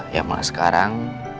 ya malah sekarang